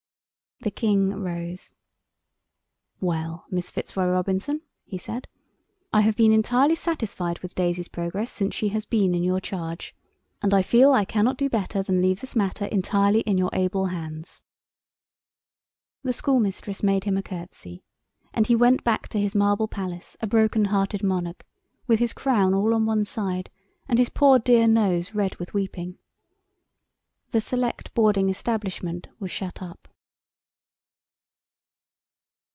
The King rose. "Well, Miss Fitzroy Robinson," he said, "I have been entirely satisfied with Daisy's progress since she has been in your charge, and I feel I cannot do better than leave this matter entirely in your able hands." The schoolmistress made him a curtsey, and he went back to his marble palace a broken hearted monarch, with his crown all on one side and his poor, dear nose red with weeping. The select boarding establishment was shut up.